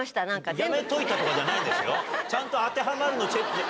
やめといたとかじゃないんですよ、ちゃんと当てはまるものを。